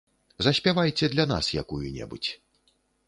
Заспявайце для нас якую-небудзь.